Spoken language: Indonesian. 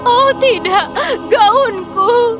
oh tidak gaunku